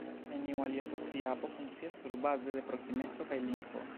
Neniu alia socia apo funkcias surbaze de proksimeco kaj lingvo.